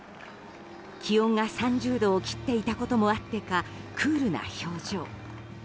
気温が３０度を切っていたこともあってかクールな表情。